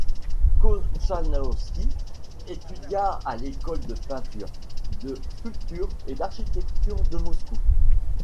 Kontchalovski étudia à l'École de peinture, de sculpture et d'architecture de Moscou.